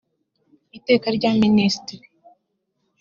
iteka rya minisitiri